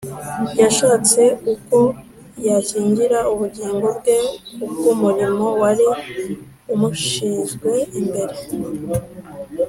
, yashatse uko yakingira ubugingo bwe kubw’umurimo wari umushyizwe imbere